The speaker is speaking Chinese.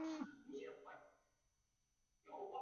该产物可由水和乙腈重结晶。